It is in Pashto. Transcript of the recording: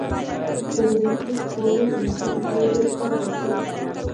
تولیدونکي د پلورلو پر مهال له لوړې بیې کار اخیستی دی